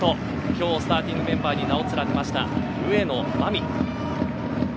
今日、スターティングメンバーに名を連ねた上野真実。